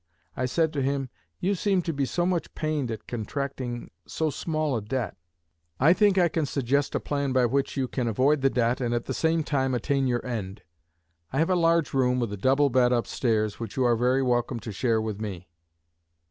I said to him, 'You seem to be so much pained at contracting so small a debt, I think I can suggest a plan by which you can avoid the debt and at the same time attain your end. I have a large room with a double bed up stairs which you are very welcome to share with me.'